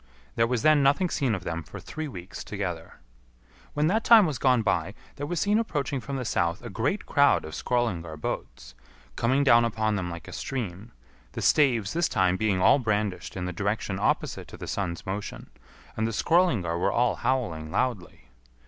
There was then nothing seen of them for three weeks together. When that time was gone by, there was seen approaching from the south a great crowd of Skrœlingar boats, coming down upon them like a stream, the staves this time being all brandished in the direction opposite to the sun's motion, and the Skrœlingar were all howling loudly.